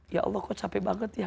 ya allah kok capek banget ya